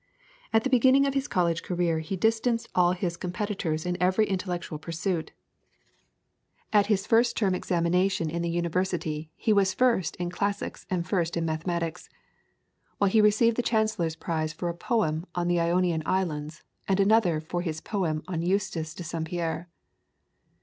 At the beginning of his college career he distanced all his competitors in every intellectual pursuit. At his first term examination in the University he was first in Classics and first in Mathematics, while he received the Chancellor's prize for a poem on the Ionian Islands, and another for his poem on Eustace de St. Pierre.